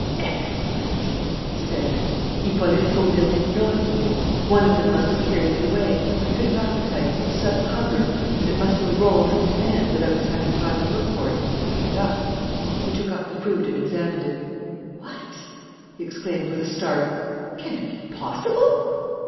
"Excellent!" he said. "Hippolyte Fauville did not eat it. One of them must have carried it away a fit of appetite, a sudden hunger and it must have rolled from his hand without his having time to look for it and pick it up." He took up the fruit and examined it. "What!" he exclaimed, with a start. "Can it be possible?"